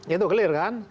itu clear kan